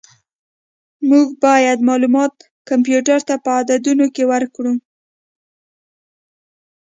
موږ باید خپل معلومات کمپیوټر ته په عددونو کې ورکړو.